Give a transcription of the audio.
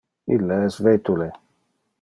Ille es vetule.